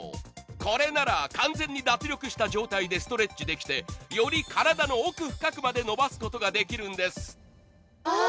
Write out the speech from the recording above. これなら完全に脱力した状態でストレッチできて、より体の奥深くまで伸ばすことができるんです。